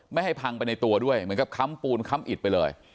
ไม่ให้พังไปในตัวด้วยเหมือนกับค้ำปูนค้ำอิดไปเลย